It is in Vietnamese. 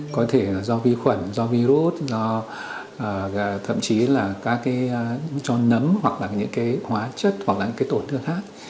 có thể do vi khuẩn do virus thậm chí là cho nấm hoặc là những hóa chất hoặc là những tổn thương khác